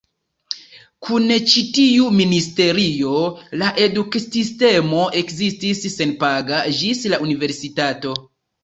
Kun ĉi tiu ministerio, la eduksistemo ekestis senpaga ĝis la Universitato.